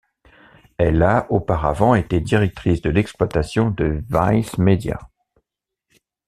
Elle a auparavant été Directrice de l'Exploitation de Vice Media.